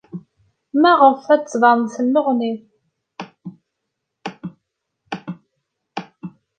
Maɣef ay la d-tettbaned tenneɣnid?